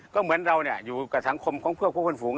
ก็เหมือนเราอยู่กับสังคมของเพื่อผู้คนฝูง